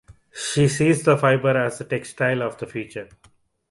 She sees the fibre as the "textile of the future".